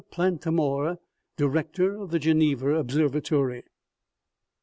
Plantamour, director of the Geneva observatory.